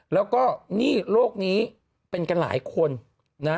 แล้วก็โรคนี้เป็นกันหลายคน